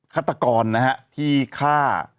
ฆาตกรนะฮะที่ฆ่า